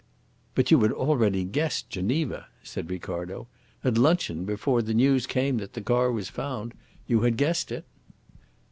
"But you had already guessed 'Geneva,'" said Ricardo. "At luncheon, before the news came that the car was found, you had guessed it."